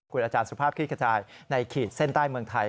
คุณอาจารย์สุภาพคลิกกระจายในขีดเส้นใต้เมืองไทย